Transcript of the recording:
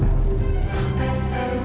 yang sepupu ig